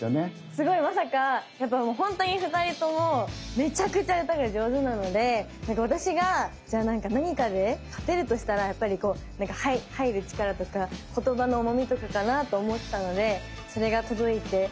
すごいまさか本当に２人ともめちゃくちゃ歌が上手なので私がじゃあ何かで勝てるとしたら入る力とか言葉の重みとかかなと思ってたのでそれが届いてよかったなと思います。